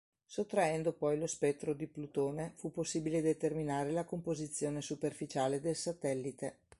Sottraendo poi lo spettro di Plutone fu possibile determinare la composizione superficiale del satellite.